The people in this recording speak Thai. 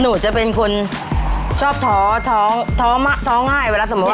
หนูจะเป็นคนชอบท้อท้อง่ายเวลาสมมุติว่า